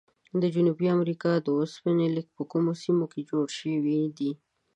د جنوبي امریکا د اوسپنې لیکي په کومو سیمو کې جوړې شوي دي؟